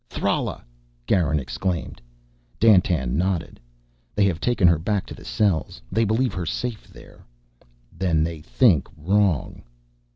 "Thrala!" Garin exclaimed. Dandtan nodded. "They have taken her back to the cells. They believe her safe there." "Then they think wrong."